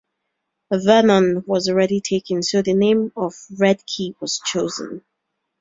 Vernon was already taken, so the name of Redkey was chosen.